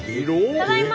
ただいま。